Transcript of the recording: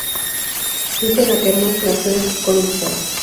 Christian Ackermann nació en Königsberg.